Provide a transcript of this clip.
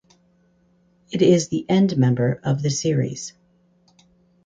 It is the endmember of the series.